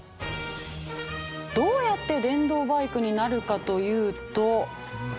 どうやって電動バイクになるかというと。